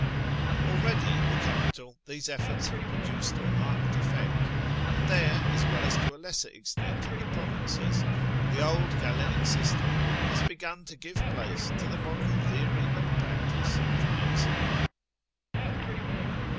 Already in the capital these efforts have produced a marked effect, and there, as well as to a lesser extent in the provinces, the old Galenic system has begun to give place to the modern theory and practice of medicine.